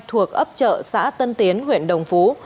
thuộc ấp trợ xã tân tiến huyện đồng phú